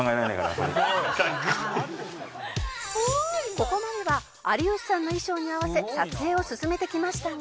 「ここまでは有吉さんの衣装に合わせ撮影を進めてきましたが」